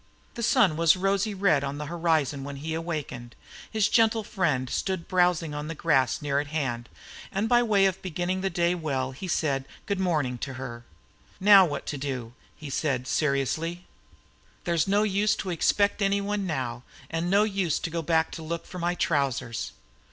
The sun was rosy red on the horizon when he awakened. His gentle friend stood browsing on the grass near at hand, and by way of beginning the day well he said, "Good morning" to her. "Now what to do!" he said, seriously. "There's no use to expect any one now, and no use to go back to look for my trousers."